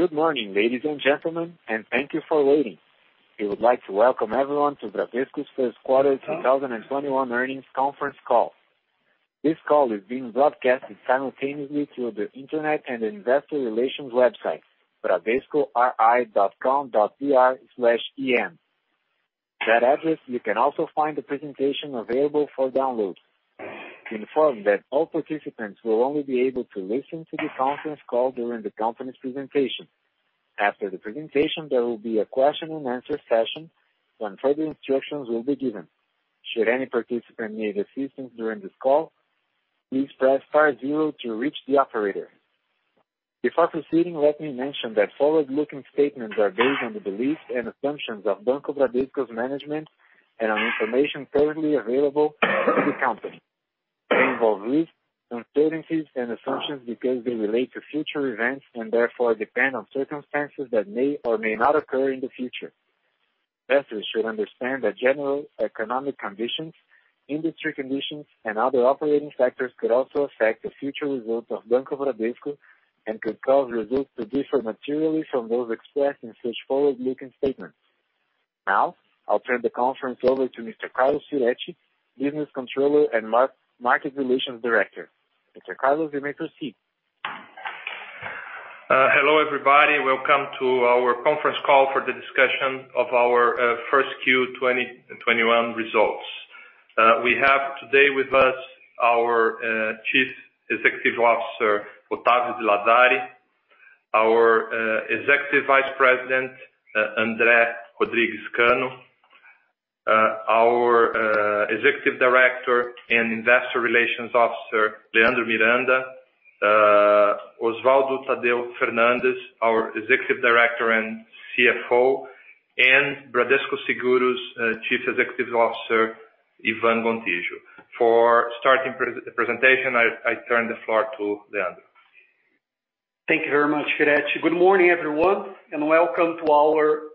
Good morning, ladies and gentlemen, and thank you for waiting. We would like to welcome everyone to Bradesco's first quarter 2021 earnings conference call. This call is being broadcasted simultaneously through the internet and the investor relations web site, bradescori.com.br/en. At that address, you can also find the presentation available for download. To inform that all participants will only be able to listen to the conference call during the company's presentation. After the presentation, there will be a question and answer session when further instructions will be given. Should any participant need assistance during this call, please press star zero to reach the operator. Before proceeding, let me mention that forward-looking statements are based on the beliefs and assumptions of Banco Bradesco's management and on information currently available to the company. They involve risks, uncertainties, and assumptions because they relate to future events and therefore depend on circumstances that may or may not occur in the future. Investors should understand that general economic conditions, industry conditions, and other operating factors could also affect the future results of Banco Bradesco and could cause results to differ materially from those expressed in such forward-looking statements. Now, I'll turn the conference over to Mr. Carlos Firetti, Business Controller and Market Relations Director. Mr. Carlos, you may proceed. Hello, everybody. Welcome to our conference call for the discussion of our 1Q 2021 results. We have today with us our Chief Executive Officer, Octavio de Lazari, our Executive Vice President, André Rodrigues Cano, our Executive Director and Investor Relations Officer, Leandro Miranda, Oswaldo Tadeu Fernandes, our Executive Director and CFO, and Bradesco Seguros Chief Executive Officer, Ivan Gontijo. For starting presentation, I turn the floor to Leandro. Thank you very much, Firetti. Good morning, everyone, and welcome to our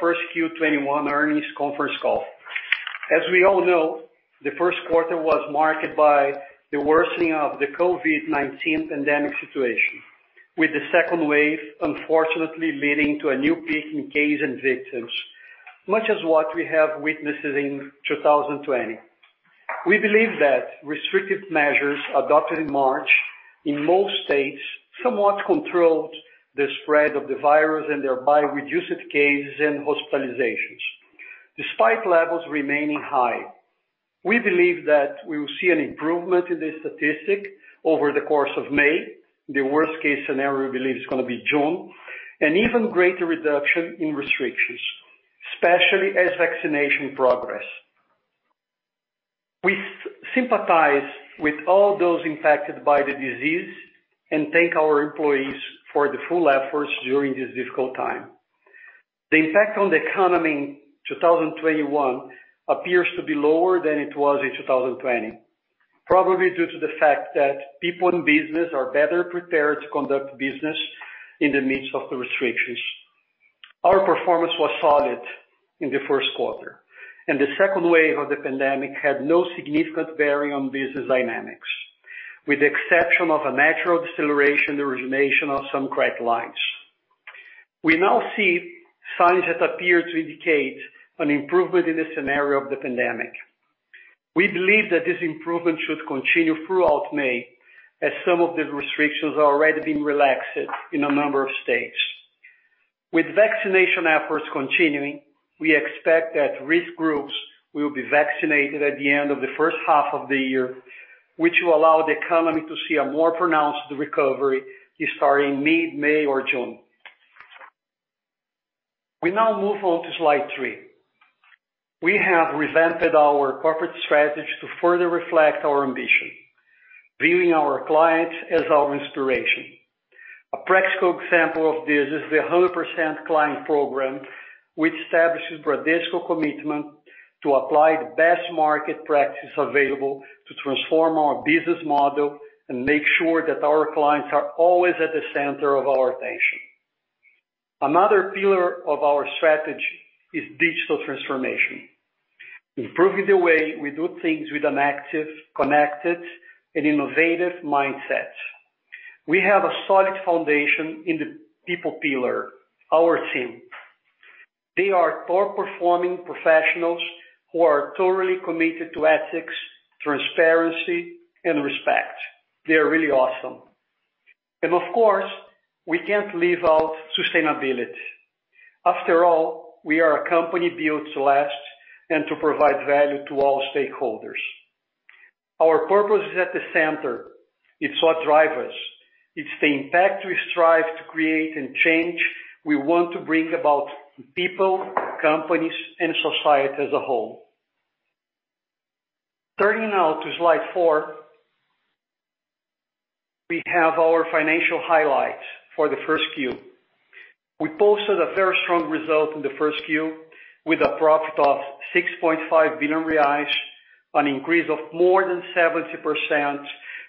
first Q1 earnings conference call. As we all know, the first quarter was marked by the worsening of the COVID-19 pandemic situation, with the second wave, unfortunately, leading to a new peak in case and victims, much as what we have witnessed in 2020. We believe that restrictive measures adopted in March in most states somewhat controlled the spread of the virus and thereby reduced cases and hospitalizations, despite levels remaining high. We believe that we will see an improvement in this statistic over the course of May. The worst-case scenario, we believe, is going to be June, an even greater reduction in restrictions, especially as vaccination progress. We sympathize with all those impacted by the disease and thank our employees for the full efforts during this difficult time. The impact on the economy in 2021 appears to be lower than it was in 2020, probably due to the fact that people in business are better prepared to conduct business in the midst of the restrictions. Our performance was solid in the first quarter. The second wave of the pandemic had no significant bearing on business dynamics, with the exception of a natural deceleration, the origination of some credit lines. We now see signs that appear to indicate an improvement in the scenario of the pandemic. We believe that this improvement should continue throughout May, as some of the restrictions are already being relaxed in a number of states. With vaccination efforts continuing, we expect that risk groups will be vaccinated at the end of the first half of the year, which will allow the economy to see a more pronounced recovery starting mid-May or June. We now move on to slide three. We have reinvented our corporate strategy to further reflect our ambition, viewing our clients as our inspiration. A practical example of this is the 100% Client Program, which establishes Bradesco commitment to apply the best market practices available to transform our business model and make sure that our clients are always at the center of our attention. Another pillar of our strategy is digital transformation, improving the way we do things with an active, connected, and innovative mindset. We have a solid foundation in the people pillar, our team. They are top-performing professionals who are totally committed to ethics, transparency, and respect. They are really awesome. Of course, we can't leave out sustainability. After all, we are a company built to last and to provide value to all stakeholders. Our purpose is at the center. It's what drives us. It's the impact we strive to create and change we want to bring about people, companies, and society as a whole. Turning now to slide four, we have our financial highlights for the first Q. We posted a very strong result in the first Q with a profit of 6.5 billion reais, an increase of more than 70%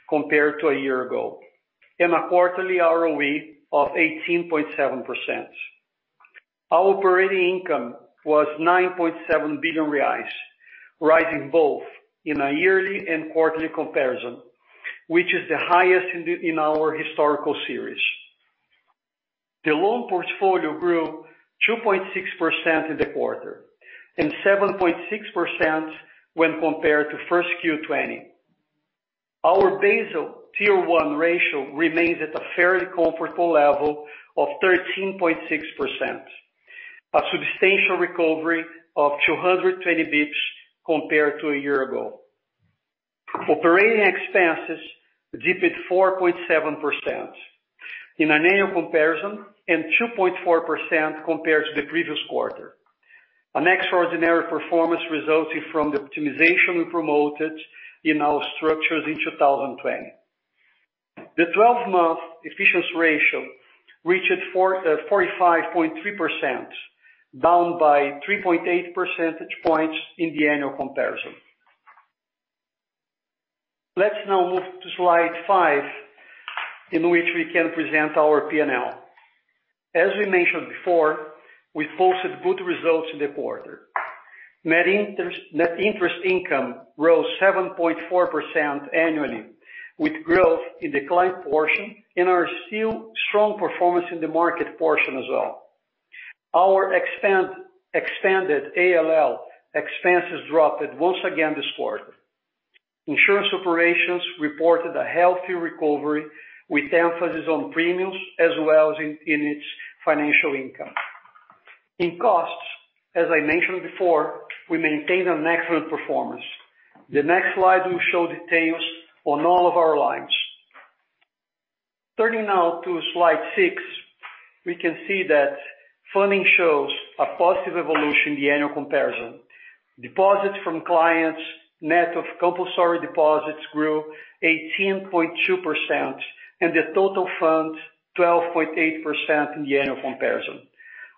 compared to a year ago, and a quarterly ROE of 18.7%. Our operating income was 9.7 billion reais, rising both in a yearly and quarterly comparison, which is the highest in our historical series. The loan portfolio grew 2.6% in the quarter, and 7.6% when compared to first Q 2020. Our Basel Tier 1 ratio remains at a very comfortable level of 13.6%, a substantial recovery of 220 basis points compared to a year ago. Operating expenses dip at 4.7% in an annual comparison, and 2.4% compared to the previous quarter. An extraordinary performance resulting from the optimization we promoted in our structures in 2020. The 12-month efficiency ratio reached 45.3%, down by 3.8 percentage points in the annual comparison. Let's now move to slide five, in which we can present our P&L. As we mentioned before, we posted good results in the quarter. Net interest income rose 7.4% annually, with growth in the client portion, and our still strong performance in the market portion as well. Our expanded ALL expenses dropped once again this quarter. Insurance operations reported a healthy recovery, with emphasis on premiums as well as in its financial income. In costs, as I mentioned before, we maintained an excellent performance. The next slide will show details on all of our lines. Turning now to slide six, we can see that funding shows a positive evolution in the annual comparison. Deposits from clients, net of compulsory deposits grew 18.2%, and the total funds 12.8% in the annual comparison.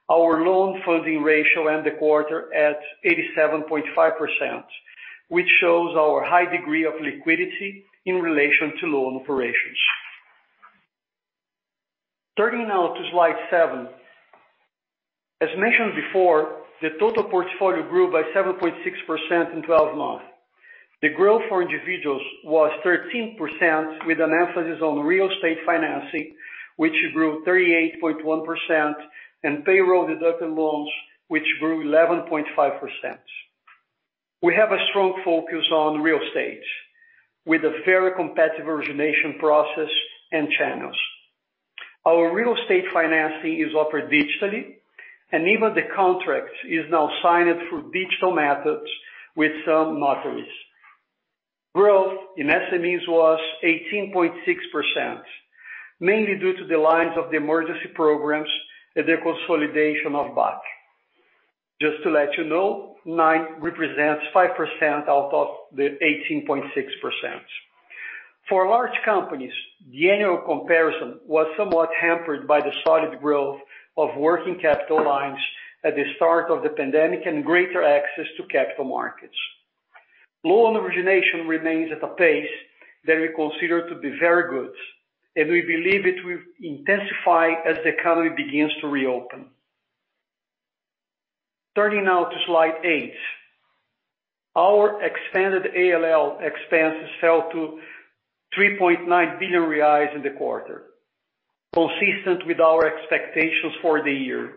Our loan funding ratio end the quarter at 87.5%, which shows our high degree of liquidity in relation to loan operations. Turning now to slide seven. As mentioned before, the total portfolio grew by 7.6% in 12 months. The growth for individuals was 13%, with an emphasis on real estate financing, which grew 38.1%, and payroll deducted loans, which grew 11.5%. We have a strong focus on real estate, with a very competitive origination process and channels. Our real estate financing is offered digitally, and even the contract is now signed through digital methods with some notaries. Growth in SMEs was 18.6%, mainly due to the lines of the emergency programs and the consolidation of BAC. Just to let you know, nine represents 5% out of the 18.6%. For large companies, the annual comparison was somewhat hampered by the solid growth of working capital lines at the start of the pandemic and greater access to capital markets. Loan origination remains at a pace that we consider to be very good, and we believe it will intensify as the economy begins to reopen. Turning now to slide eight. Our expanded ALL expenses fell to 3.9 billion reais in the quarter, consistent with our expectations for the year.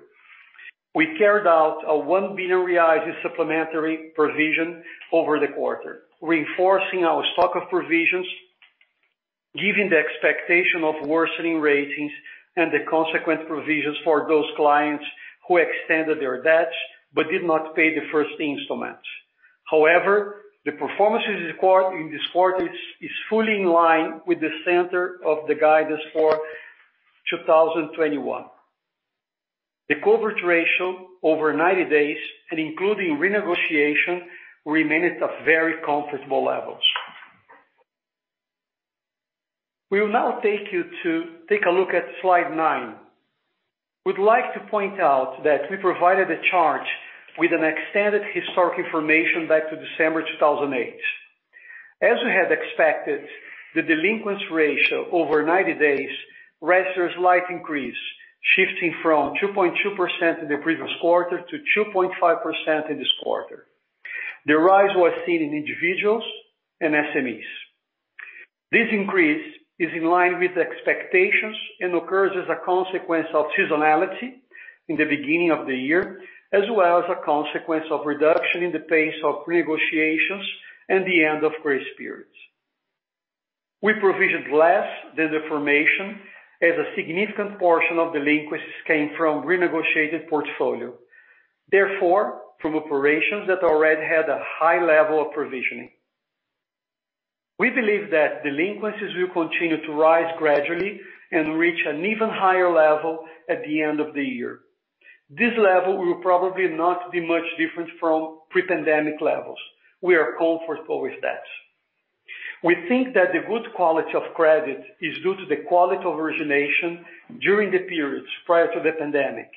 We carried out a 1 billion reais supplementary provision over the quarter, reinforcing our stock of provisions, giving the expectation of worsening ratings and the consequent provisions for those clients who extended their debts but did not pay the first installment. However, the performance in this quarter is fully in line with the center of the guidance for 2021. The coverage ratio over 90 days and including renegotiation remained at a very comfortable level. We will now take you to take a look at slide nine. We'd like to point out that we provided a chart with an extended historic information back to December 2008. As we had expected, the delinquencies ratio over 90 days registered a slight increase, shifting from 2.2% in the previous quarter to 2.5% in this quarter. The rise was seen in individuals and SMEs. This increase is in line with expectations and occurs as a consequence of seasonality in the beginning of the year, as well as a consequence of reduction in the pace of renegotiations at the end of grace periods. We provisioned less than the formation as a significant portion of delinquencies came from renegotiated portfolio, therefore, from operations that already had a high level of provisioning. We believe that delinquencies will continue to rise gradually and reach an even higher level at the end of the year. This level will probably not be much different from pre-pandemic levels. We are comfortable with that. We think that the good quality of credit is due to the quality of origination during the periods prior to the pandemic,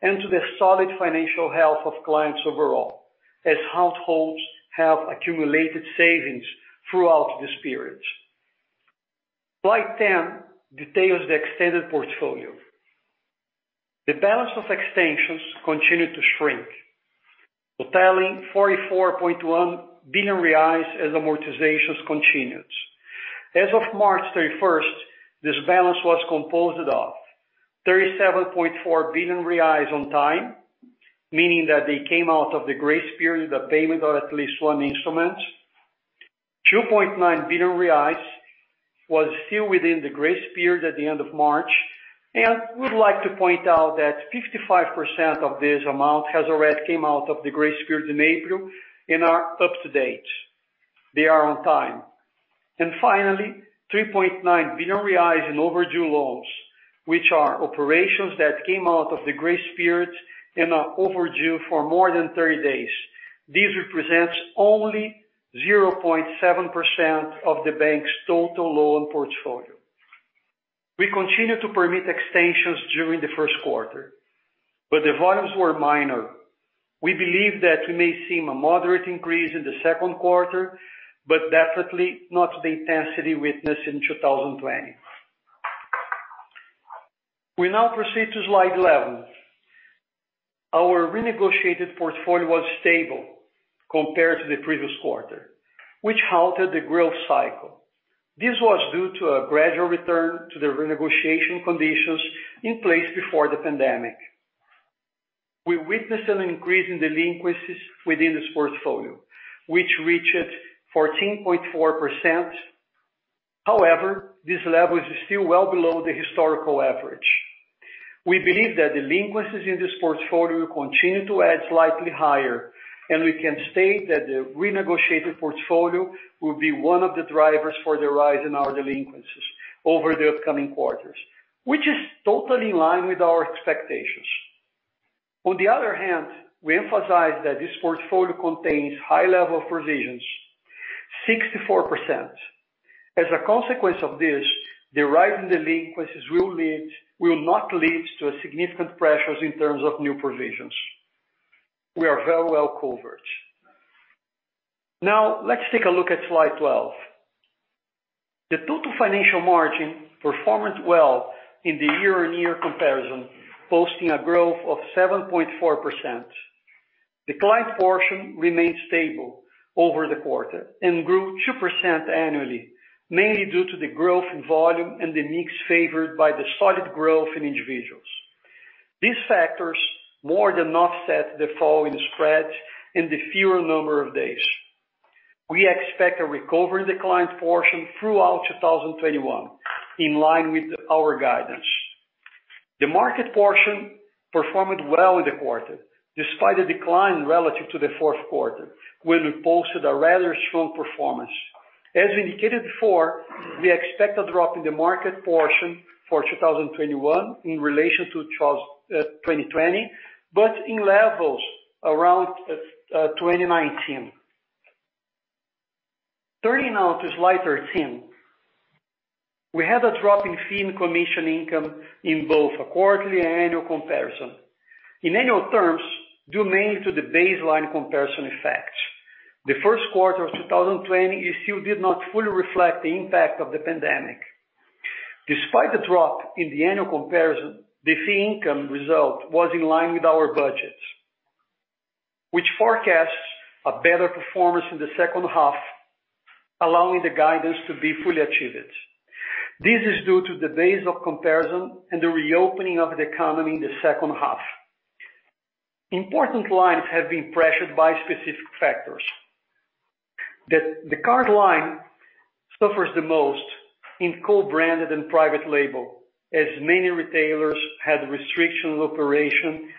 and to the solid financial health of clients overall, as households have accumulated savings throughout this period. Slide 10 details the extended portfolio. The balance of extensions continued to shrink, totaling 44.1 billion reais as amortizations continued. As of March 31st, this balance was composed of 37.4 billion reais on time, meaning that they came out of the grace period, the payment of at least one instrument. 2.9 billion reais was still within the grace period at the end of March. We'd like to point out that 55% of this amount has already come out of the grace period in April and are up to date. They are on time. Finally, 3.9 billion reais in overdue loans, which are operations that came out of the grace period and are overdue for more than 30 days. This represents only 0.7% of the bank's total loan portfolio. We continued to permit extensions during the first quarter. The volumes were minor. We believe that we may see a moderate increase in the second quarter. Definitely not the intensity witnessed in 2020. We now proceed to slide 11. Our renegotiated portfolio was stable compared to the previous quarter, which halted the growth cycle. This was due to a gradual return to the renegotiation conditions in place before the pandemic. We witnessed an increase in delinquencies within this portfolio, which reached 14.4%. However, this level is still well below the historical average. We believe that delinquencies in this portfolio will continue to add slightly higher, and we can state that the renegotiated portfolio will be one of the drivers for the rise in our delinquencies over the upcoming quarters, which is totally in line with our expectations. On the other hand, we emphasize that this portfolio contains high level of provisions, 64%. As a consequence of this, the rise in delinquencies will not lead to significant pressures in terms of new provisions. We are very well covered. Now, let's take a look at slide 12. The total financial margin performed well in the year-on-year comparison, posting a growth of 7.4%. The client portion remained stable over the quarter and grew 2% annually, mainly due to the growth in volume and the mix favored by the solid growth in individuals. These factors more than offset the fall in spread and the fewer number of days. We expect a recovery in the client portion throughout 2021, in line with our guidance. The market portion performed well in the quarter, despite a decline relative to the fourth quarter, when we posted a rather strong performance. As indicated before, we expect a drop in the market portion for 2021 in relation to 2020, but in levels around 2019. Turning now to slide 13. We had a drop in fee and commission income in both a quarterly and annual comparison. In annual terms, due mainly to the baseline comparison effects. The first quarter of 2020 still did not fully reflect the impact of the pandemic. Despite the drop in the annual comparison, the fee income result was in line with our budget, which forecasts a better performance in the second half, allowing the guidance to be fully achieved. This is due to the base of comparison and the reopening of the economy in the second half. Important lines have been pressured by specific factors. The card line suffers the most in co-branded and private label, as many retailers had restriction of operation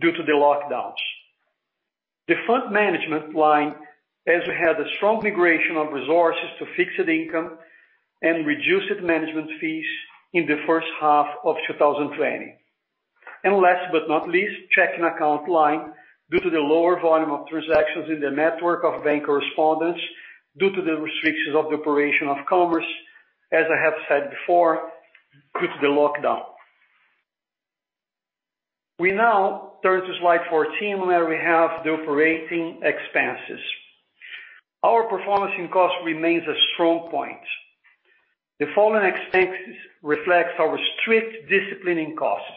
due to the lockdowns. The fund management line also had a strong migration of resources to fixed income and reduced management fees in the first half of 2020. Last but not least, checking account line, due to the lower volume of transactions in the network of bank correspondents due to the restrictions of the operation of commerce, as I have said before, due to the lockdown. We now turn to slide 14, where we have the operating expenses. Our performance in cost remains a strong point. The fall in expenses reflects our strict discipline in costs,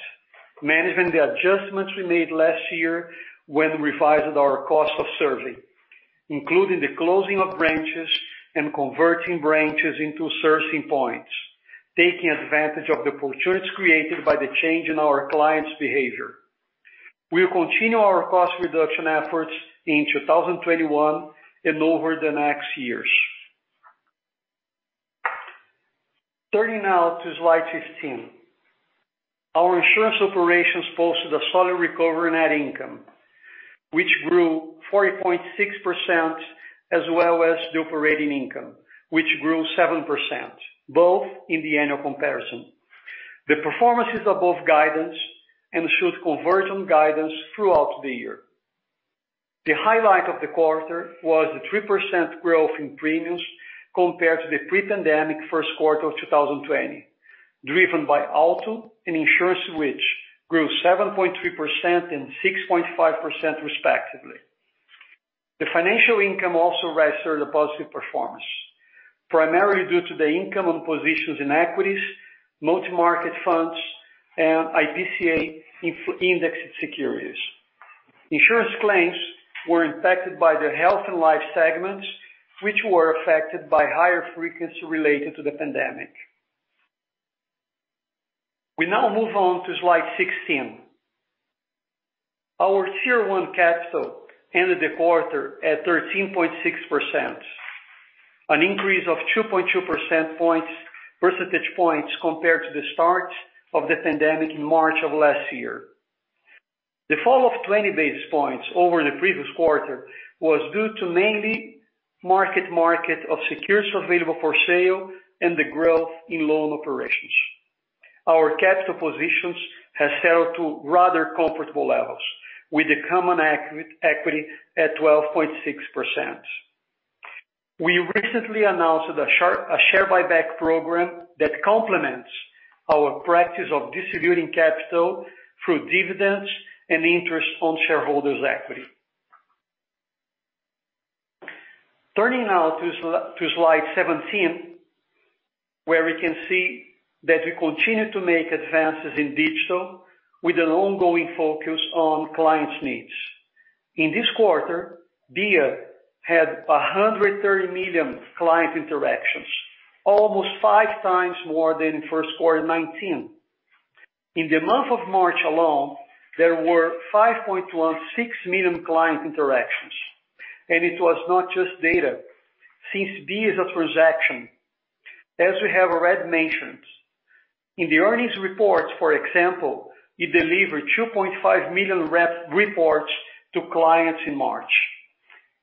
managing the adjustments we made last year when revising our cost of serving, including the closing of branches and converting branches into servicing points, taking advantage of the opportunities created by the change in our clients' behavior. We'll continue our cost reduction efforts in 2021 and over the next years. Turning now to slide 15. Our insurance operations posted a solid recovery net income, which grew 40.6%, as well as the operating income, which grew 7%, both in the annual comparison. The performance is above guidance and should converge on guidance throughout the year. The highlight of the quarter was the 3% growth in premiums compared to the pre-pandemic first quarter of 2020, driven by Auto and Insurance, which grew 7.3% and 6.5% respectively. The financial income also registered a positive performance, primarily due to the income on positions in equities, multi-market funds, and IPCA indexed securities. Insurance claims were impacted by the health and life segments, which were affected by higher frequency related to the pandemic. We now move on to slide 16. Our Tier 1 capital ended the quarter at 13.6%, an increase of 2.2 percentage points compared to the start of the pandemic in March of last year. The fall of 20 basis points over the previous quarter was due to mainly mark-to-market of securities available for sale and the growth in loan operations. Our capital positions have settled to rather comfortable levels, with the common equity at 12.6%. We recently announced a share buyback program that complements our practice of distributing capital through dividends and interest on shareholders' equity. Turning now to slide 17, where we can see that we continue to make advances in digital with an ongoing focus on clients' needs. In this quarter, BIA had 130 million client interactions, almost five times more than in first quarter 2019. In the month of March alone, there were 5.16 million client interactions. It was not just data, since BIA is a transaction. As we have already mentioned, in the earnings report, for example, we delivered 2.5 million reports to clients in March.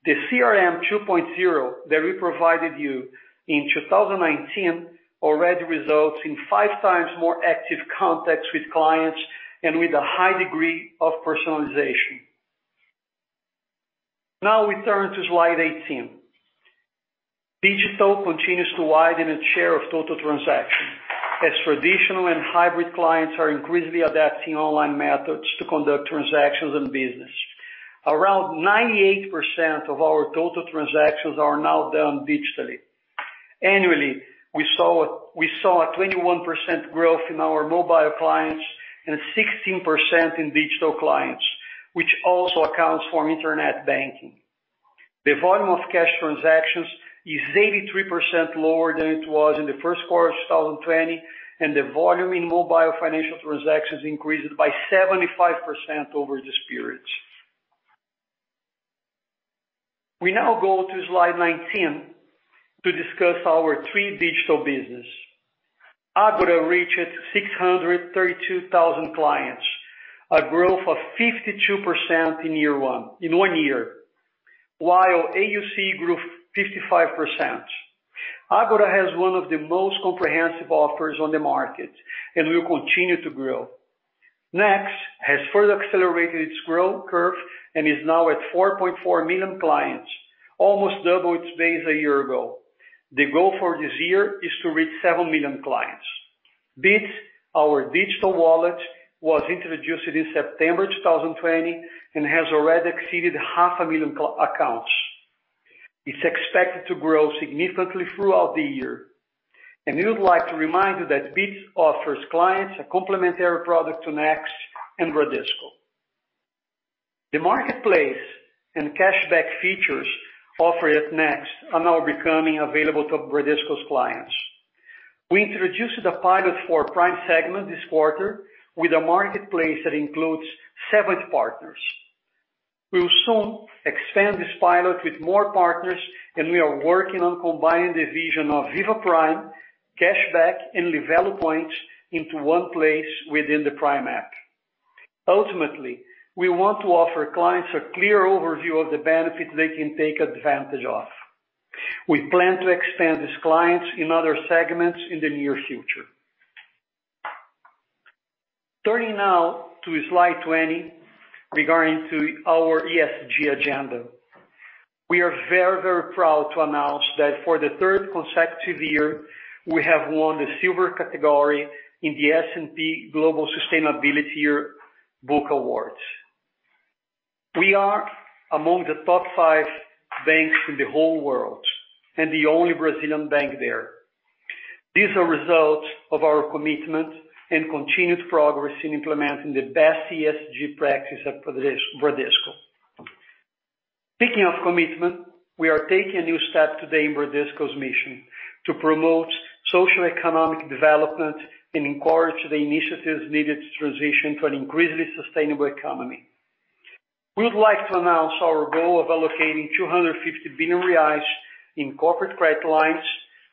The CRM 2.0 that we provided you in 2019 already results in five times more active contacts with clients and with a high degree of personalization. Now we turn to slide 18. Digital continues to widen its share of total transactions as traditional and hybrid clients are increasingly adapting online methods to conduct transactions and business. Around 98% of our total transactions are now done digitally. Annually, we saw a 21% growth in our mobile clients and 16% in digital clients, which also accounts for internet banking. The volume of cash transactions is 83% lower than it was in the first quarter of 2020, and the volume in mobile financial transactions increased by 75% over this period. We now go to slide 19 to discuss our three digital business. Ágora reached 632,000 clients, a growth of 52% in one year, while AUC grew 55%. Ágora has one of the most comprehensive offers on the market and will continue to grow. Next has further accelerated its growth curve and is now at 4.4 million clients, almost double its base a year ago. The goal for this year is to reach seven million clients. Bitz, our digital wallet, was introduced in September 2020 and has already exceeded half a million accounts. It's expected to grow significantly throughout the year. We would like to remind you that Bitz offers clients a complementary product to Next and Bradesco. The marketplace and cashback features offered at Next are now becoming available to Bradesco's clients. We introduced a pilot for Prime segment this quarter with a marketplace that includes seven partners. We will soon expand this pilot with more partners. We are working on combining the vision of Viva Prime, cashback, and Livelo points into one place within the Prime app. Ultimately, we want to offer clients a clear overview of the benefits they can take advantage of. We plan to expand these clients in other segments in the near future. Turning now to slide 20, regarding our ESG agenda. We are very proud to announce that for the third consecutive year, we have won the silver category in the S&P Global Sustainability Yearbook. We are among the top five banks in the whole world and the only Brazilian bank there. These are results of our commitment and continued progress in implementing the best ESG practices at Bradesco. Speaking of commitment, we are taking a new step today in Bradesco's mission to promote socioeconomic development and encourage the initiatives needed to transition to an increasingly sustainable economy. We would like to announce our goal of allocating 250 billion reais in corporate credit lines,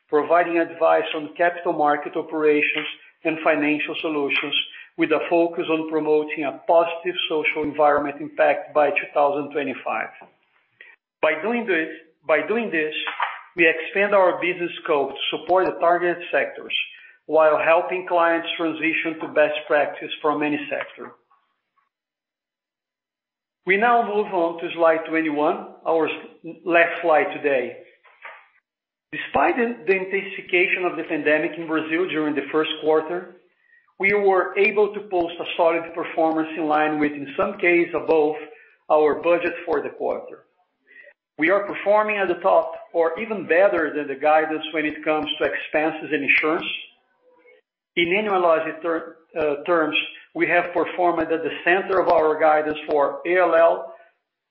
providing advice on capital market operations and financial solutions, with a focus on promoting a positive social environment impact by 2025. By doing this, we expand our business scope to support the targeted sectors while helping clients transition to best practice from any sector. We now move on to slide 21, our last slide today. Despite the intensification of the pandemic in Brazil during the first quarter, we were able to post a solid performance in line with, in some case above, our budget for the quarter. We are performing at the top or even better than the guidance when it comes to expenses and insurance. In annualized terms, we have performed at the center of our guidance for ALL,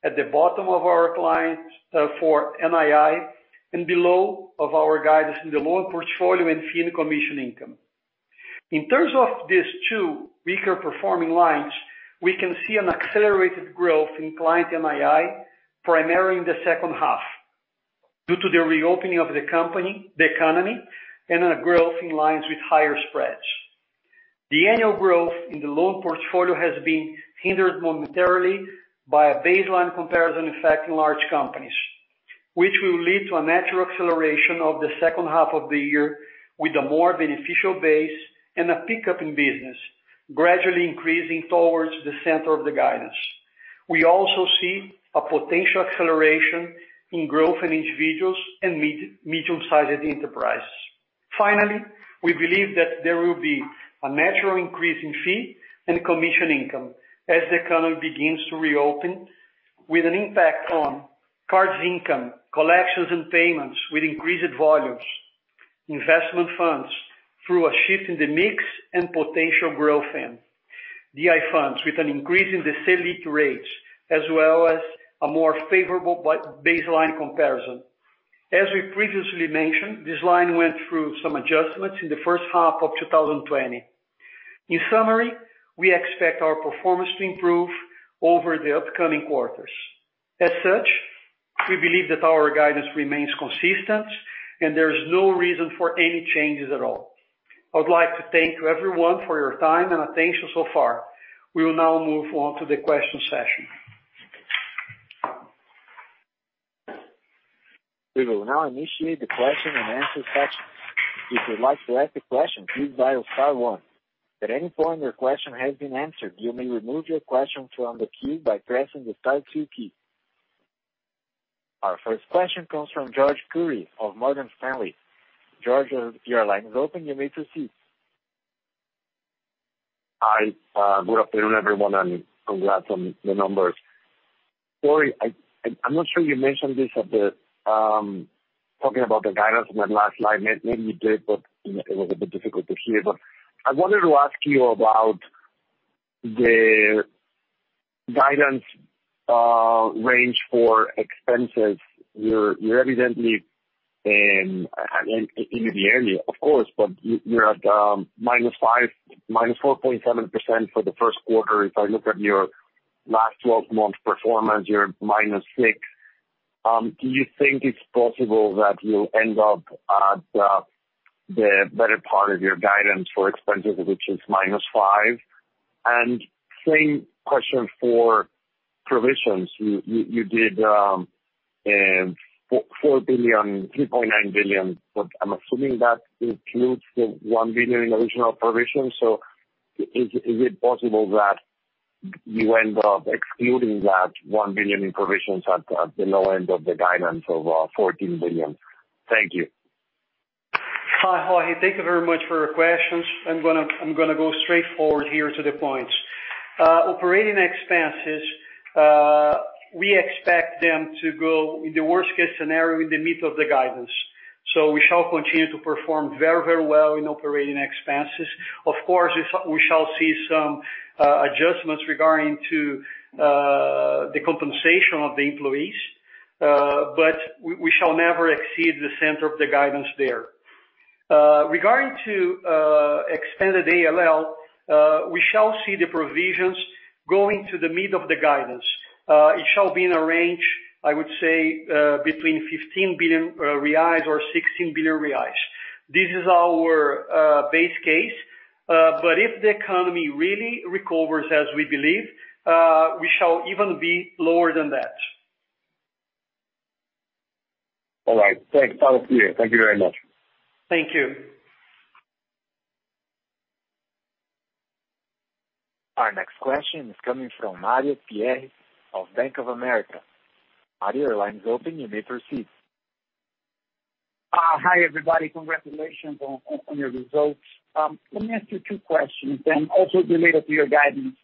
at the bottom of our guidance for NII, and below of our guidance in the loan portfolio and fee and commission income. In terms of these two weaker performing lines, we can see an accelerated growth in client NII primarily in the second half due to the reopening of the economy and a growth in lines with higher spreads. The annual growth in the loan portfolio has been hindered momentarily by a baseline comparison effect in large companies, which will lead to a natural acceleration of the second half of the year with a more beneficial base and a pickup in business gradually increasing towards the center of the guidance. We also see a potential acceleration in growth in individuals and medium-sized enterprises. Finally, we believe that there will be a natural increase in fee and commission income as the economy begins to reopen, with an impact on cards income, collections and payments with increased volumes, investment funds through a shift in the mix and potential growth in DI funds with an increase in the SELIC rates, as well as a more favorable baseline comparison. As we previously mentioned, this line went through some adjustments in the first half of 2020. In summary, we expect our performance to improve over the upcoming quarters. As such, we believe that our guidance remains consistent and there is no reason for any changes at all. I would like to thank everyone for your time and attention so far. We will now move on to the question session. We will now initiate the question and answer session. If you'd like to ask a question, please dial star one. At any point your question has been answered, you may remove your question from the queue by pressing the star two key. Our first question comes from Jorge Kuri of Morgan Stanley. Jorge, your line is open. You may proceed. Hi. Good afternoon, everyone, and congrats on the numbers. Leandro Miranda, I'm not sure you mentioned this, talking about the guidance on that last line. It was a bit difficult to hear. I wanted to ask you about the guidance range for expenses. You're evidently in the annual, of course, but you're at -4.7% for the first quarter. If I look at your last 12 months performance, you're -6%. Do you think it's possible that you'll end up at the better part of your guidance for expenses, which is -5%? Same question for provisions. You did 3.9 billion, but I'm assuming that includes the 1 billion in original provisions. Is it possible that you end up excluding that 1 billion in provisions at the low end of the guidance of 14 billion? Thank you. Hi, Jorge. Thank you very much for your questions. I'm going to go straightforward here to the point. Operating expenses, we expect them to go, in the worst case scenario, in the middle of the guidance. We shall continue to perform very well in operating expenses. Of course, we shall see some adjustments regarding the compensation of the employees, we shall never exceed the center of the guidance there. Regarding extended ALL, we shall see the provisions going to the middle of the guidance. It shall be in a range, I would say, between 15 billion reais or 16 billion reais. This is our base case. If the economy really recovers as we believe, we shall even be lower than that. All right. Thanks. Talk to you. Thank you very much. Thank you. Our next question is coming from Mario Pierry of Bank of America. Mario, your line is open. You may proceed. Hi, everybody. Congratulations on your results. Let me ask you two questions and also related to your guidance.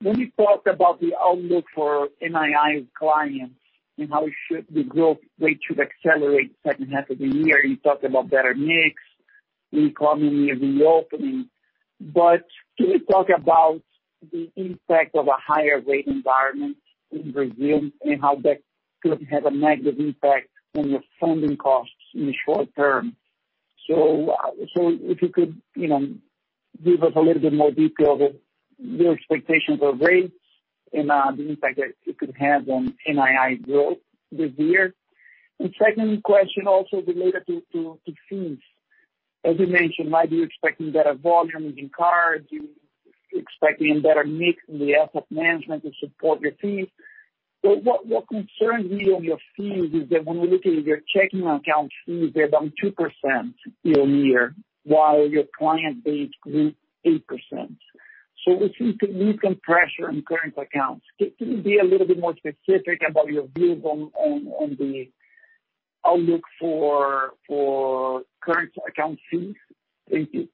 When you talk about the outlook for NII's clients and how the growth rate should accelerate second half of the year, you talk about better mix, the economy reopening. Can you talk about the impact of a higher rate environment in Brazil and how that could have a negative impact on your funding costs in the short term? If you could give us a little bit more detail of your expectations of rates and the impact that it could have on NII growth this year. Second question, also related to fees. As you mentioned, might be expecting better volumes in cards, you expecting a better mix in the asset management to support your fees. What concerns me on your fees is that when we look at your checking account fees, they're down 2% year-over-year while your client base grew 8%. We see some pressure on current accounts. Can you be a little bit more specific about your views on the outlook for current account fees? Thank you.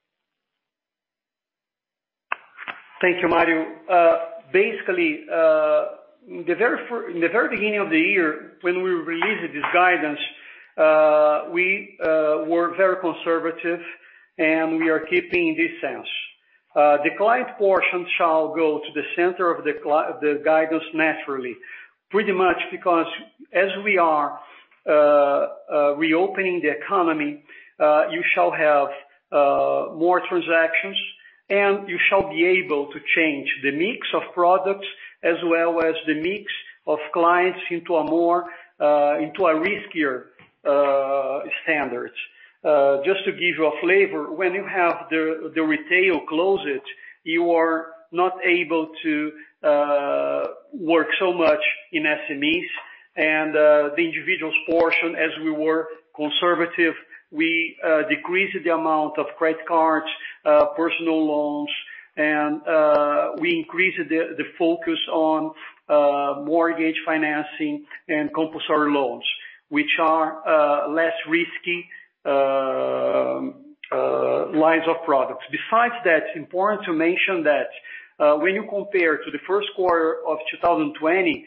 Thank you, Mario. In the very beginning of the year, when we released this guidance, we were very conservative, and we are keeping this sense. The client portion shall go to the center of the guidance naturally, pretty much because as we are reopening the economy, you shall have more transactions, and you shall be able to change the mix of products as well as the mix of clients into a riskier standard. Just to give you a flavor, when you have the retail closed, you are not able to work so much in SMEs and the individuals portion as we were conservative. We decreased the amount of credit cards, personal loans, and we increased the focus on mortgage financing and compulsory loans, which are less risky lines of products. Besides that, important to mention that when you compare to the first quarter of 2020,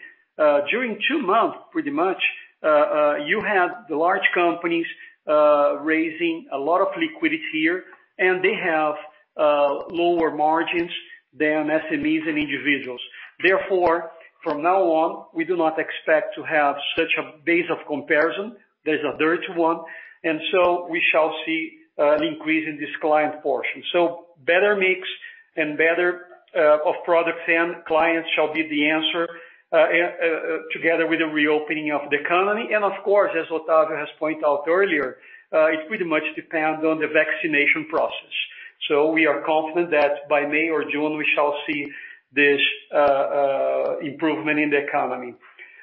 during two months, pretty much, you had the large companies raising a lot of liquidity here, and they have lower margins than SMEs and individuals. Therefore, from now on, we do not expect to have such a base of comparison. There's a direct one, and so we shall see an increase in this client portion. Better mix and better products and clients shall be the answer, together with the reopening of the economy. Of course, as Octavio has pointed out earlier, it pretty much depends on the vaccination process. We are confident that by May or June, we shall see this improvement in the economy.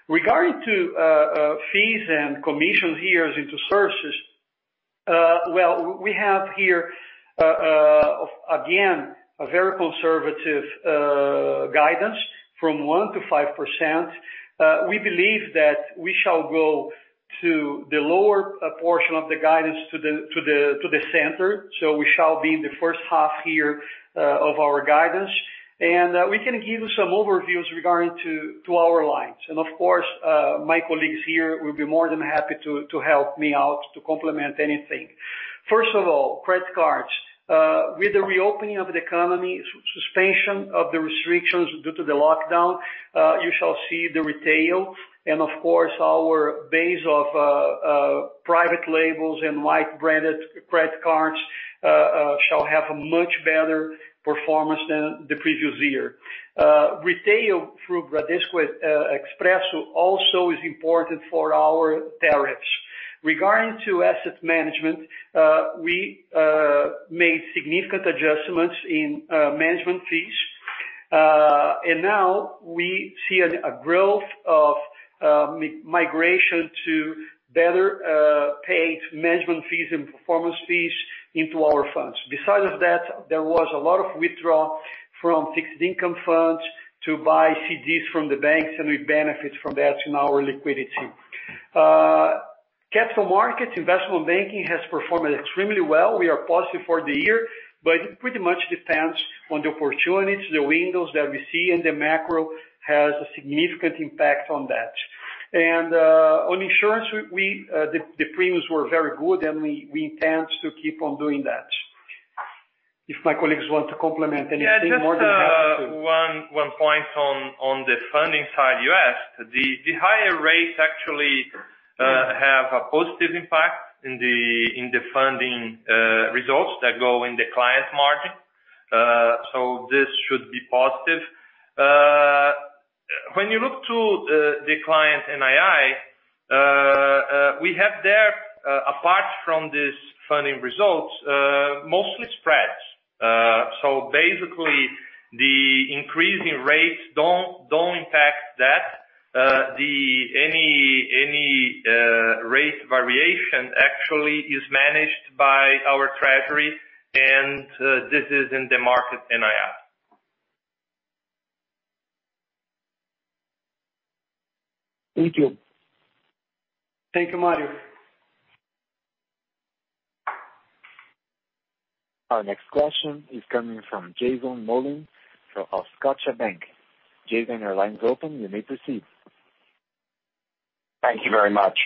Regarding fees and commissions here into services, well, we have here, again, a very conservative guidance from 1%-5%. We believe that we shall go to the lower portion of the guidance to the center. We shall be in the first half here of our guidance, and we can give some overviews regarding to our lines. Of course, my colleagues here will be more than happy to help me out to complement anything. First of all, credit cards. With the reopening of the economy, suspension of the restrictions due to the lockdown, you shall see the retail and of course, our base of private labels and white-branded credit cards shall have a much better performance than the previous year. Retail through Bradesco Expresso also is important for our tariffs. Regarding to asset management, we made significant adjustments in management fees, and now we see a growth of migration to better paid management fees and performance fees into our funds. Besides that, there was a lot of withdrawal from fixed income funds to buy CDs from the banks, and we benefit from that in our liquidity. Capital markets, investment banking has performed extremely well. We are positive for the year, but it pretty much depends on the opportunities, the windows that we see, and the macro has a significant impact on that. On insurance, the premiums were very good, and we intend to keep on doing that. If my colleagues want to complement anything, more than happy to. Yeah, just one point on the funding side, you asked. The higher rates actually have a positive impact in the funding results that go in the client margin. This should be positive. When you look to the client NII, we have there, apart from these funding results, mostly spreads. Basically, the increasing rates don't impact that. Any rate variation actually is managed by our treasury, and this is in the market NII. Thank you. Thank you, Mario. Our next question is coming from Jason [inaudible] from Scotiabank. Jason, your line's open. You may proceed. Thank you very much.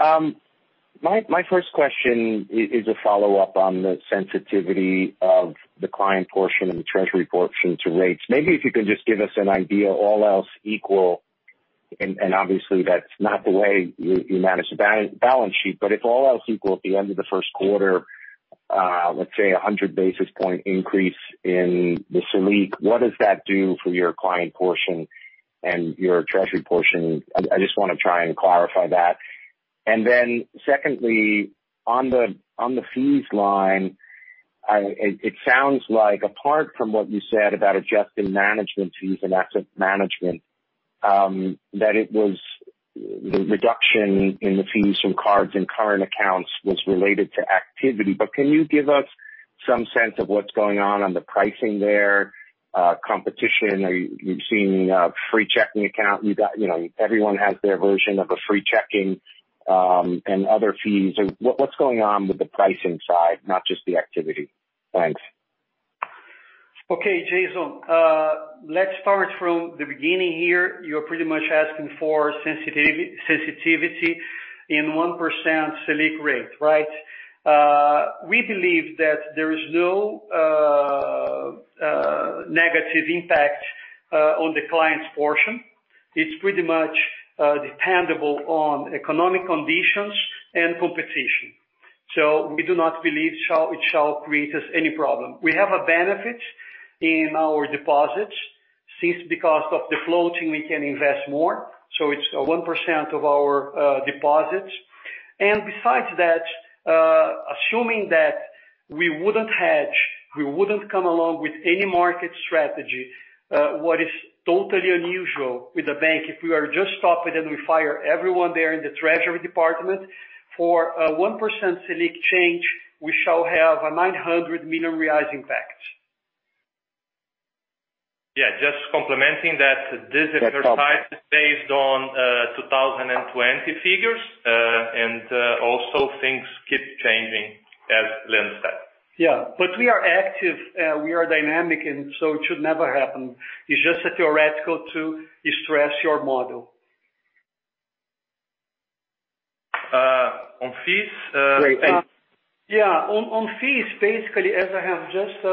My first question is a follow-up on the sensitivity of the client portion and the treasury portion to rates. Maybe if you can just give us an idea, all else equal, and obviously, that's not the way you manage a balance sheet, but if all else equal at the end of the first quarter, let's say a 100 basis point increase in the SELIC, what does that do for your client portion and your treasury portion? I just want to try and clarify that. Secondly, on the fees line, it sounds like apart from what you said about adjusting management fees and asset management, that the reduction in the fees from cards and current accounts was related to activity. Can you give us some sense of what's going on on the pricing there, competition? Are you seeing a free checking account? Everyone has their version of a free checking, and other fees. What's going on with the pricing side, not just the activity? Thanks. Okay, Yuri Fernandes. Let's start from the beginning here. You're pretty much asking for sensitivity in 1% SELIC rate, right? We believe that there is no negative impact on the client's portion. It's pretty much dependable on economic conditions and competition. We do not believe it shall create us any problem. We have a benefit in our deposits since because of the floating, we can invest more. It's 1% of our deposits. Besides that, assuming that we wouldn't hedge, we wouldn't come along with any market strategy, what is totally unusual with the bank, if we are just stopping and we fire everyone there in the treasury department for 1% SELIC change, we shall have a 900 million reais impact. Yeah, just complementing that this exercise is based on 2020 figures, and also things keep changing, as Leandro said. Yeah. We are active, we are dynamic, and so it should never happen. It is just a theoretical to stress your model. On fees. Great. Thank you. Yeah. On fees, basically, as I have just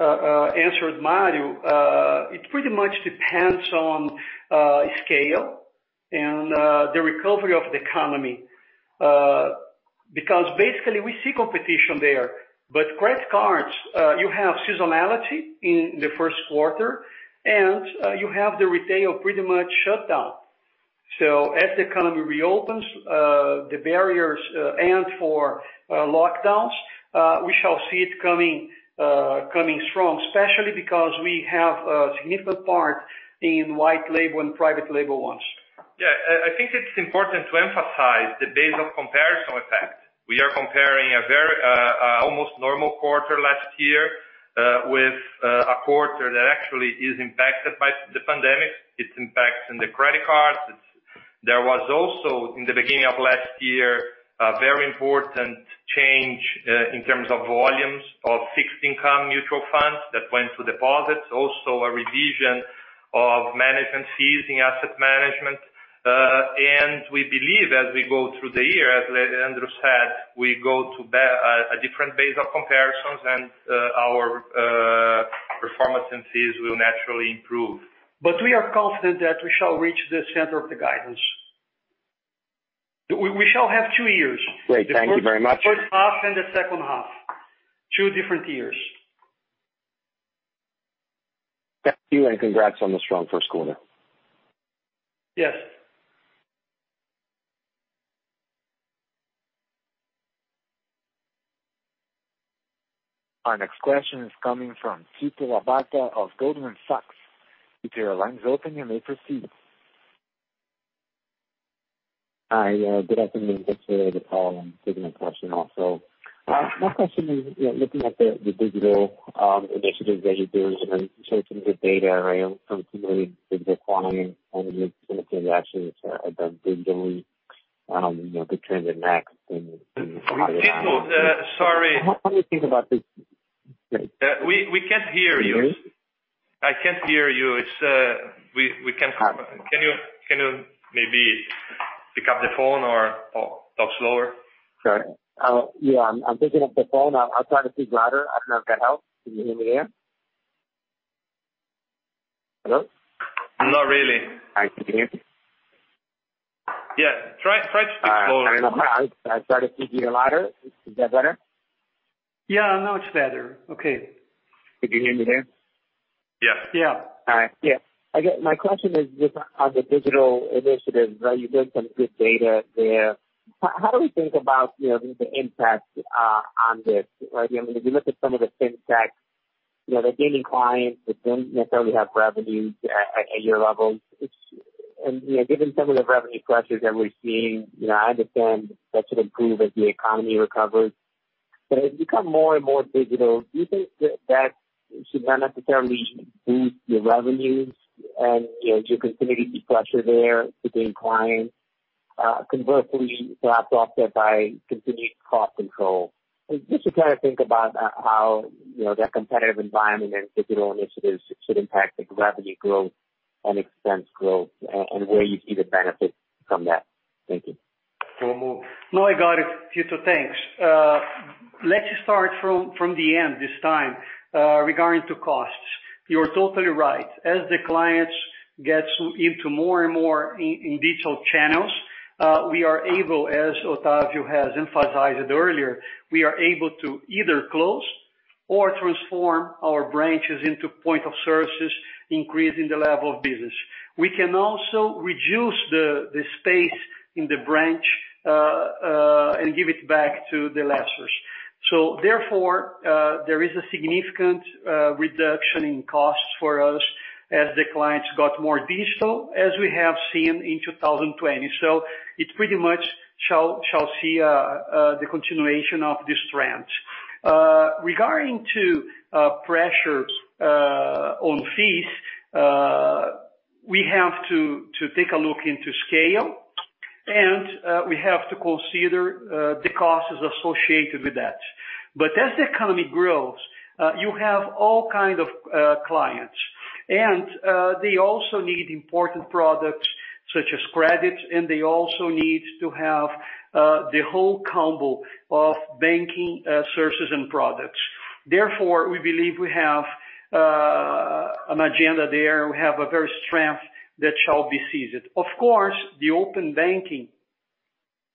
answered Mario, it pretty much depends on scale and the recovery of the economy. Basically we see competition there. Credit cards, you have seasonality in the first quarter, and you have the retail pretty much shut down. As the economy reopens, the barriers end for lockdowns, we shall see it coming strong, especially because we have a significant part in white label and private label ones. Yeah. I think it's important to emphasize the base of comparison effect. We are comparing a very almost normal quarter last year with a quarter that actually is impacted by the pandemic. It's impacting the credit cards. There was also, in the beginning of last year, a very important change in terms of volumes of fixed income mutual funds that went to deposits, also a revision of management fees in asset management. We believe as we go through the year, as Leandro said, we go to a different base of comparisons and our performance in fees will naturally improve. We are confident that we shall reach the center of the guidance. We shall have two years. Great. Thank you very much. The first half and the second half, two different years. Thank you, and congrats on the strong first quarter. Yes. Our next question is coming from Tito Labarta of Goldman Sachs. Keep your lines open, and we proceed. Hi, good afternoon. Thanks for the call and giving a question also. My question is looking at the digital initiatives that you're doing and you showed some good data around some community digital acquiring and some of the actions around the digitally, the trend in Next and how you. Tito, sorry. How do you think about this space? We can't hear you. Can you hear me? I can't hear you. All right. Can you maybe pick up the phone or talk slower? Sorry. Yeah, I'm picking up the phone. I'll try to speak louder. I don't know if that helps. Can you hear me there? Hello? Not really. I can hear you. Yeah. Try to speak slower. All right. I started speaking louder. Is that better? Yeah. Now it's better. Okay. Could you hear me there? Yeah. Yeah. All right. Yeah. I guess my question is just on the digital initiatives. You did some good data there. How do we think about the impact on this? If you look at some of the fintech, they're gaining clients that don't necessarily have revenues at your levels. Given some of the revenue pressures that we're seeing, I understand that should improve as the economy recovers. As you become more and more digital, do you think that should not necessarily boost your revenues and you're continuing to see pressure there to gain clients? Conversely, perhaps offset by continued cost control. Just to kind of think about how that competitive environment and digital initiatives should impact the revenue growth and expense growth and where you see the benefits from that. Thank you. No, I got it, Tito. Thanks. Let's start from the end this time. Regarding to costs, you're totally right. As the clients get into more and more in digital channels, we are able, as Octavio has emphasized earlier, we are able to either close or transform our branches into point of services, increasing the level of business. We can also reduce the space in the branch and back to the lessors. Therefore, there is a significant reduction in costs for us as the clients got more digital, as we have seen in 2020. It pretty much shall see the continuation of this trend. Regarding to pressures on fees, we have to take a look into scale and we have to consider the costs associated with that. As the economy grows, you have all kind of clients and they also need important products such as credits, and they also need to have the whole combo of banking services and products. We believe we have an agenda there. We have a very strength that shall be seized. Of course, the open banking,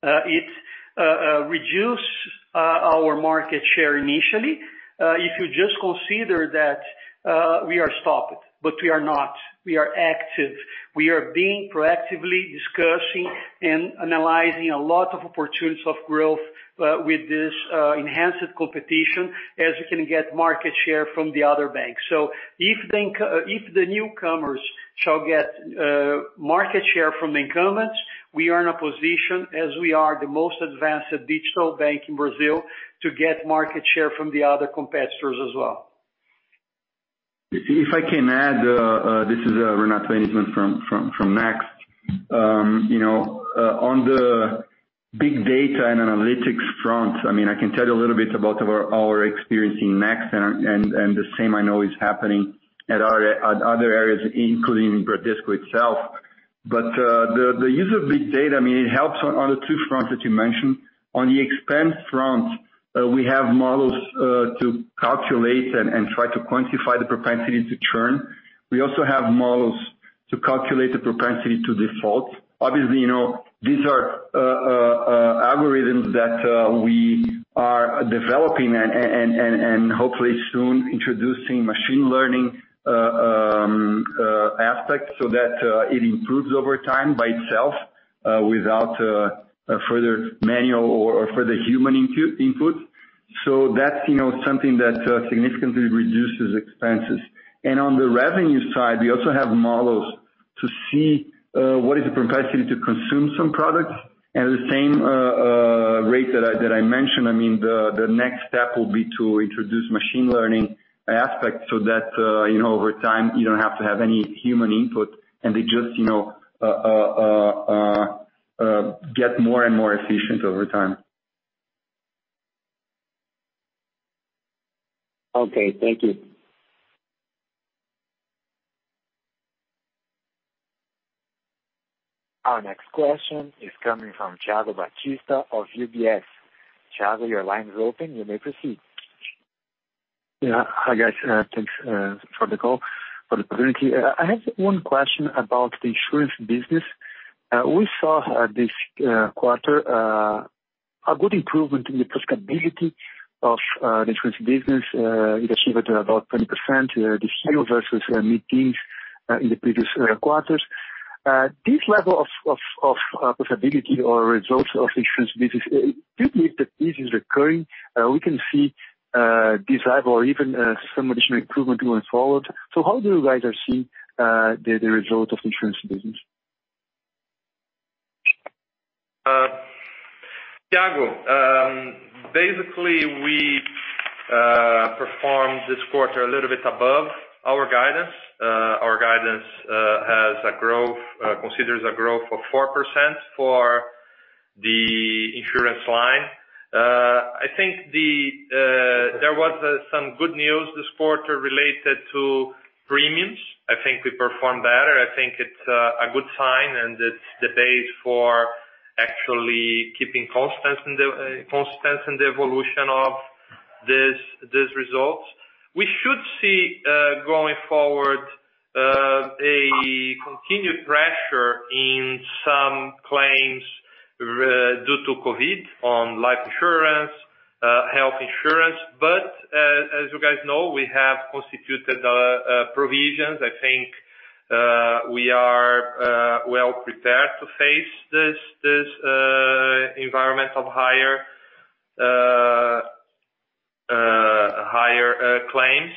it reduce our market share initially. If you just consider that we are stopped, but we are not. We are active. We are being proactively discussing and analyzing a lot of opportunities of growth, with this enhanced competition as we can get market share from the other banks. If the newcomers shall get market share from incumbents, we are in a position as we are the most advanced digital bank in Brazil to get market share from the other competitors as well. If I can add, this is Renato Ejnisman from Next. On the big data and analytics front, I can tell you a little bit about our experience in Next, and the same I know is happening at other areas, including Bradesco itself. The use of big data, it helps on the two fronts that you mentioned. On the expense front, we have models to calculate and try to quantify the propensity to churn. We also have models to calculate the propensity to default. Obviously, these are algorithms that we are developing and hopefully soon introducing machine learning aspects so that it improves over time by itself, without further manual or further human input. That's something that significantly reduces expenses. On the revenue side, we also have models to see what is the propensity to consume some products at the same rate that I mentioned. The next step will be to introduce machine learning aspects so that, over time, you don't have to have any human input and they just get more and more efficient over time. Okay, thank you. Our next question is coming from Thiago Batista of UBS. Thiago, your line is open. You may proceed. Yeah. Hi, guys. Thanks for the call, for the opportunity. I have one question about the insurance business. We saw this quarter a good improvement in the profitability of the insurance business. It achieved about 20% this year versus mid-teens in the previous quarters. This level of profitability or results of insurance business, do you believe that this is recurring? We can see this level or even some additional improvement going forward. How do you guys see the result of insurance business? Thiago, basically we performed this quarter a little bit above our guidance. Our guidance considers a growth of 4% for the insurance line. I think there was some good news this quarter related to premiums. I think we performed better. I think it's a good sign, and it's the base for actually keeping constant in the evolution of these results. We should see, going forward, a continued pressure in some claims, due to COVID, on life insurance, health insurance. As you guys know, we have constituted provisions. I think we are well prepared to face this environment of higher claims.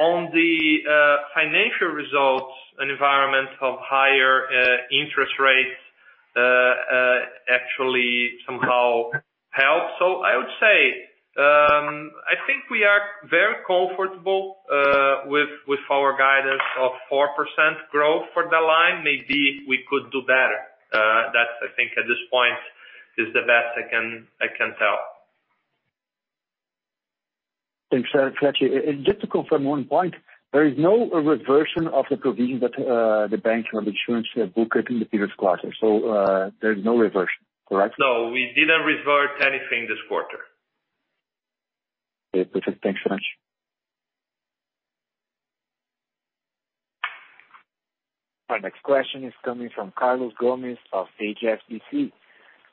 On the financial results, an environment of higher interest rates actually somehow helps. I would say, I think we are very comfortable with our guidance of 4% growth for the line. Maybe we could do better. That, I think at this point, is the best I can tell. Thanks very much. Just to confirm one point, there is no reversion of the provision that the bank or the insurance booked in the previous quarter. There's no reversion, correct? No, we didn't revert anything this quarter. Okay, perfect. Thanks so much. Our next question is coming from Carlos Gomez of HSBC.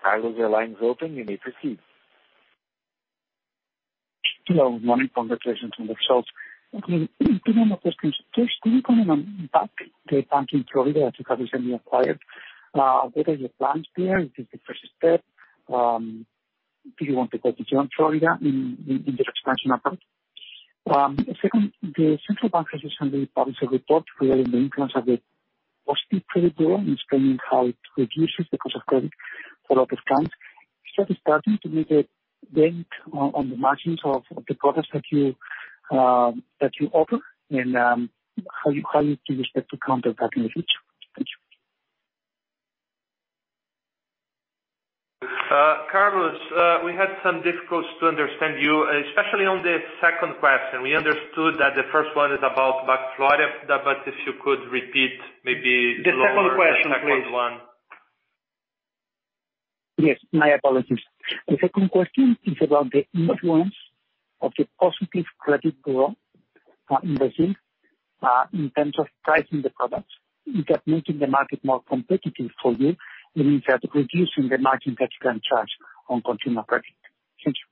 Carlos, your line's open. You may proceed. Hello, good morning. Congratulations on the results. Two main questions. First, can you comment on BAC, the bank in Florida that you have recently acquired? What are your plans there? Is this the first step? Do you want to go beyond Florida in this expansion effort? Second, the central bank has recently published a report regarding the influence of the positive credit bureau in explaining how it reduces the cost of credit for a lot of clients. Is that starting to make a dent on the margins of the products that you offer and how do you expect to counter that in the future? Thank you. Carlos, we had some difficulties to understand you, especially on the second question. We understood that the first one is about BAC Florida, but if you could repeat maybe slower. The second question, please. The second one. Yes, my apologies. The second question is about the influence of the positive credit bureau, in Brazil, in terms of pricing the products. Is that making the market more competitive for you? Is that reducing the margin that you can charge on consumer credit? Thank you.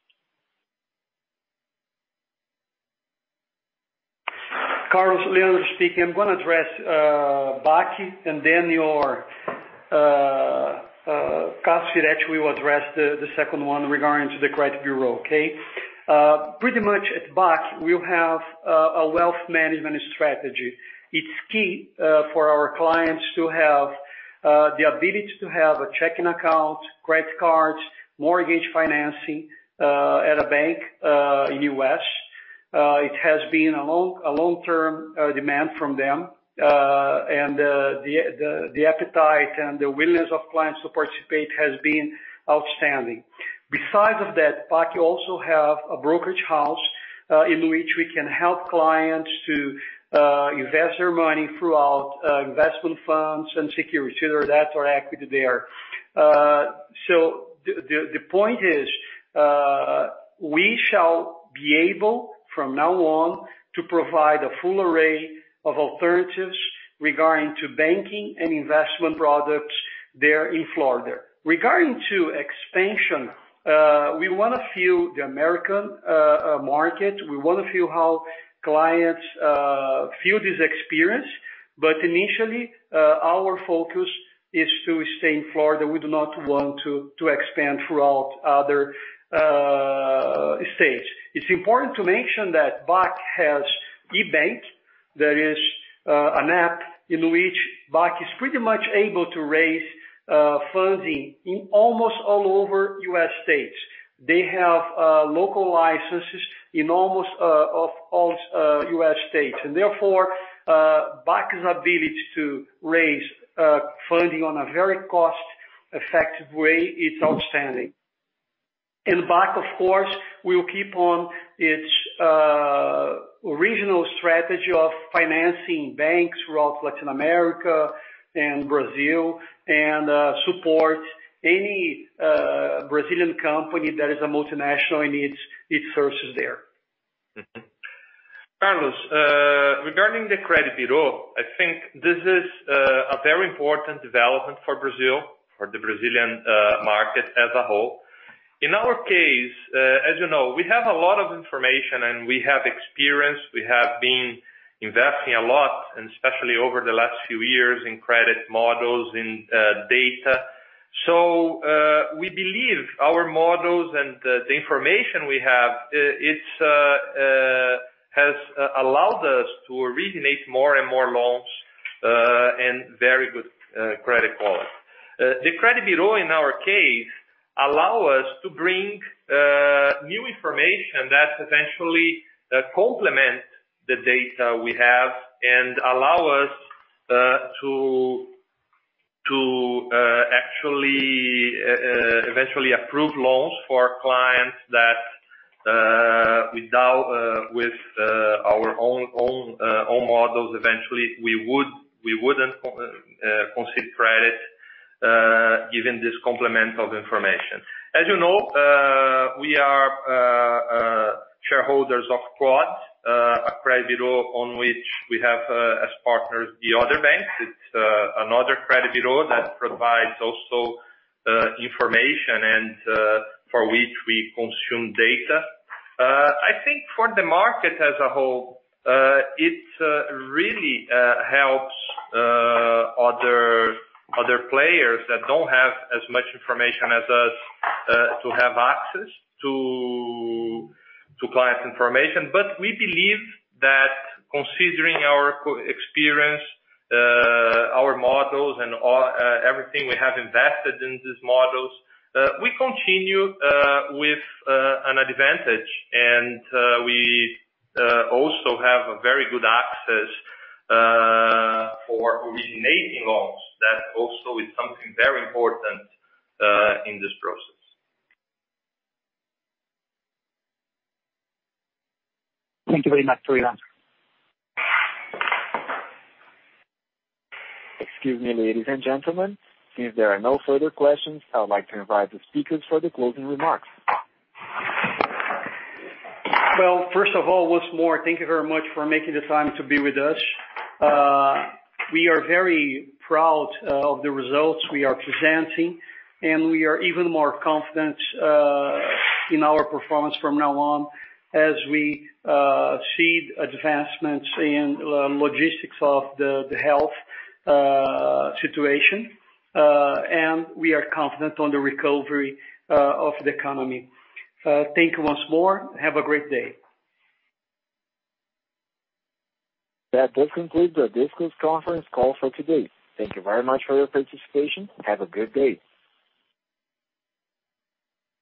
Carlos, Leandro speaking. I'm going to address BAC and then your cost, actually we'll address the second one regarding the credit bureau. Okay? Pretty much at BAC, we have a wealth management strategy. It's key for our clients to have the ability to have a checking account, credit cards, mortgage financing, at a bank, in U.S. It has been a long-term demand from them. The appetite and the willingness of clients to participate has been outstanding. Besides that, BAC also has a brokerage house, in which we can help clients to invest their money through investment funds and securities, either that or equity there. The point is, we shall be able from now on, to provide a full array of alternatives regarding banking and investment products there in Florida. Regarding expansion, we want to feel the American market. We want to feel how clients feel this experience. Initially, our focus is to stay in Florida. We do not want to expand throughout other states. It's important to mention that BAC has eBank. That is an app in which BAC is pretty much able to raise funding in almost all over U.S. states. They have local licenses in almost all U.S. states and therefore, BAC's ability to raise funding on a very cost-effective way is outstanding. BAC, of course, will keep on its regional strategy of financing banks throughout Latin America and Brazil and support any Brazilian company that is a multinational and needs its services there. Carlos, regarding the credit bureau, I think this is a very important development for Brazil, for the Brazilian market as a whole. In our case, as you know, we have a lot of information, and we have experience. We have been investing a lot, and especially over the last few years in credit models, in data. We believe our models and the information we have, has allowed us to originate more and more loans, and very good credit quality. The credit bureau in our case, allow us to bring new information that essentially complement the data we have and allow us to actually eventually approve loans for clients that with our own models, eventually we wouldn't consider credit given this complemental information. As you know, we are shareholders of Quod, a credit bureau on which we have as partners the other banks. It's another credit bureau that provides also information and for which we consume data. I think for the market as a whole, it really helps other players that don't have as much information as us, to have access to client information. We believe that considering our experience, our models and everything we have invested in these models, we continue with an advantage. We also have a very good access for originating loans. That also is something very important in this process. Thank you very much. Excuse me, ladies and gentlemen, if there are no further questions, I would like to invite the speakers for the closing remarks. Well, first of all, once more, thank you very much for making the time to be with us. We are very proud of the results we are presenting, and we are even more confident in our performance from now on as we see advancements in logistics of the health situation. We are confident on the recovery of the economy. Thank you once more. Have a great day. That does conclude the Bradesco conference call for today. Thank you very much for your participation. Have a good day.